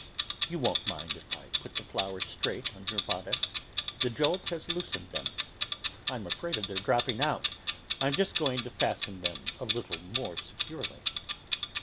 You won't mind if I put the flowers straight on your bodice; the jolt has loosened them. I'm afraid of their dropping out; I'm just going to fasten them a little more securely."